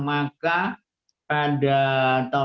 maka pada tahun dua ribu dua puluh